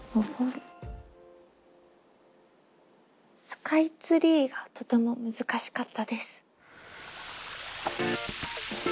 「スカイツリー」がとても難しかったです。